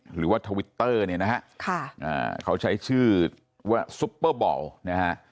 หรือว่าทวิตเตอร์เนี่ยนะฮะค่ะอ่าเขาใช้ชื่อว่าซุปเปอร์บอลนะฮะ